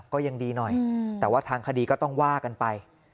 ก็ยังดีหน่อยแต่ว่าทางคดีก็ต้องว่ากันไป